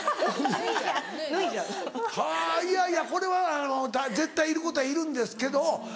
・脱いじゃう・いやいやこれは絶対いることはいるんですけど。